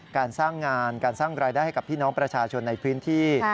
การสร้างงานการสร้างรายได้ให้กับพี่น้องประชาชนในพื้นที่